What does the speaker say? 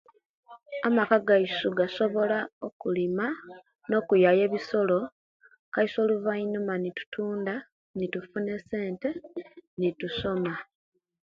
Amaka gayisu gasobola okulima no okuyaya ebisolo kayisi oluvanyuma ni tutunda nitufuna esente nitusoma